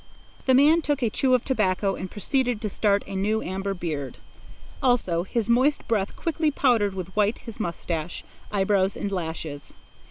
The man took a chew of tobacco and proceeded to start a new amber beard. Also, his moist breath quickly powdered with white his moustache, eyebrows, and lashes.